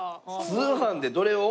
通販でどれを？